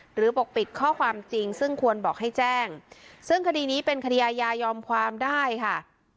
ปกปิดข้อความจริงซึ่งควรบอกให้แจ้งซึ่งคดีนี้เป็นคดีอาญายอมความได้ค่ะ